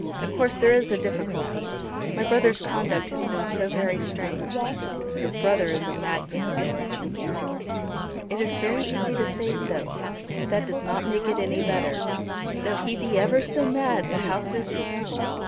Of course there is a difficulty. My brother's conduct has been so very strange." "Your brother is a madman, George." "It is very easy to say so, but that does not make it any better. Though he be ever so mad the house is his own.